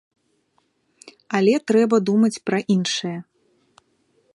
Але трэба думаць пра іншае.